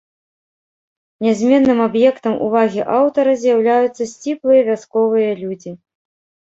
Нязменным аб'ектам увагі аўтара з'яўляюцца сціплыя вясковыя людзі.